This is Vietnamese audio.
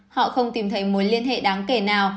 họ không tìm thấy mối liên hệ đáng kể nào